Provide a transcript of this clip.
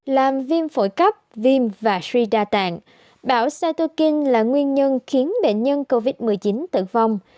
bão cytokine là nguyên nhân khiến bệnh nhân covid một mươi chín tử vong